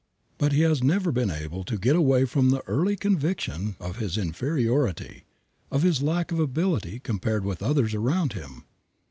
But he has never been able to get away from the early conviction of his inferiority, of his lack of ability compared with others around him.